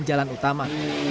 dan jalan utama